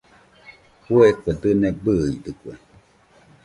Fueko dɨne bɨidɨkue.